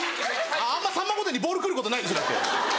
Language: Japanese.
あんま『さんま御殿‼』にボール来ることないでしょ。